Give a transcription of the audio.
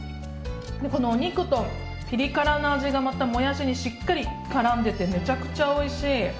でこのお肉とピリ辛の味がまたもやしにしっかりからんでてめちゃくちゃおいしい。